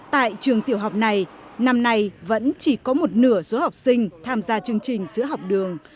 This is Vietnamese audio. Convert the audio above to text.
tại trường tiểu học này năm nay vẫn chỉ có một nửa số học sinh tham gia chương trình sữa học đường